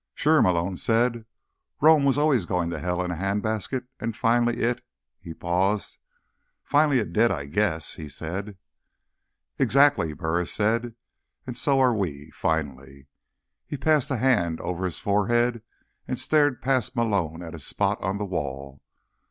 "Sure," Malone said. "Rome was always going to hell in a handbasket, and finally it—" He paused. "Finally it did, I guess," he said. "Exactly," Burris said. "And so are we. Finally." He passed a hand over his forehead and stared past Malone at a spot on the wall.